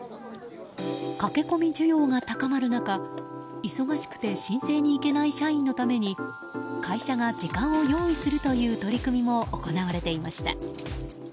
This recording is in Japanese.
駆け込み需要が高まる中急がしくて申請に行けない社員のために会社が時間を用意するという取り組みも行われていました。